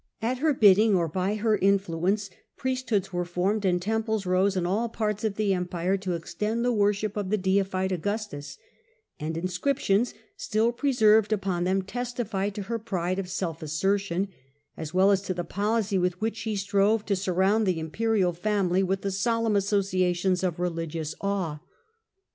At her bidding, or by her influence, priesthoods were formed and temples rose in all parts of the empire to extend the worship of the deified Augustus ; and in scriptions still preserved upon them testify to her pride of self assertion, as well as to the policy with which she strove to surround the imperial family with the solemn associations of religious awe.